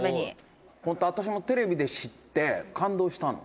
「本当、私もテレビで知って感動したの」